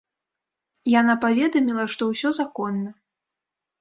Яна паведаміла, што ўсё законна.